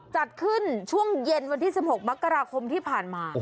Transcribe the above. จัดขึ้นช่วงเย็นวันที่๑๖มกราคมที่ผ่านมา